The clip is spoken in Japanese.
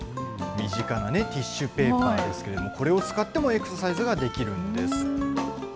身近なティッシュペーパーですけれども、これを使ってもエクササイズができるんです。